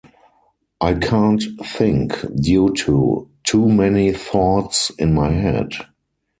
I can’t think due to too many thoughts in my head.